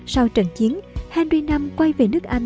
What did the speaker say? sau trận chiến henry v quay về nước anh